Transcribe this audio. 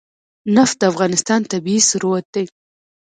نفت د افغانستان طبعي ثروت دی.